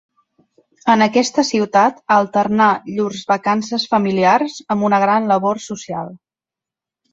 En aquesta ciutat alternà llurs vacances familiars amb una gran labor social.